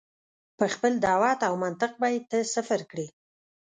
په خپل دعوت او منطق به یې ته صفر کړې.